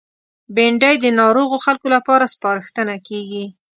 بېنډۍ د ناروغو خلکو لپاره سپارښتنه کېږي